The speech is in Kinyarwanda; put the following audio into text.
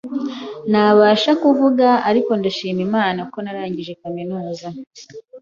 ntabasha kuvuga ariko ndashima Imana ko narangije kaminuza